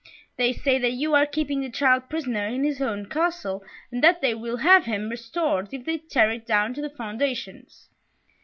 They say that you are keeping the child prisoner in his own Castle and that they will have him restored if they tear it down to the foundations."